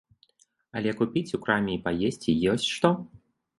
Але купіць у краме і паесці ёсць што?